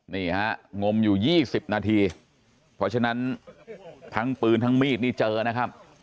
นี่ฮะงมอยู่๒๐นาทีเพราะฉะนั้นทั้งปืนทั้งมีดนี่เจอนะครับ